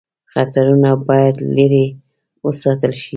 خطرونه باید لیري وساتل شي.